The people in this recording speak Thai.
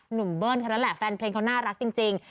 เบิ้ลเท่านั้นแหละแฟนเพลงเขาน่ารักจริง